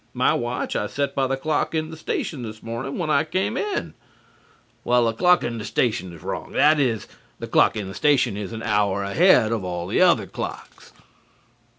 My watch I set by the clock in the station this morning when I came in" "Well, the clock in the station is wrong. That is, the clock in the station is an hour ahead of all the other clocks."